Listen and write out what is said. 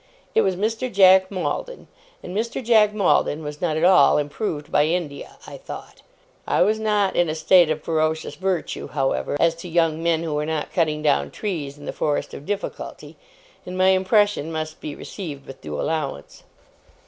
It was Mr. Jack Maldon; and Mr. Jack Maldon was not at all improved by India, I thought. I was in a state of ferocious virtue, however, as to young men who were not cutting down trees in the forest of difficulty; and my impression must be received with due allowance.